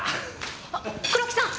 あ黒木さん！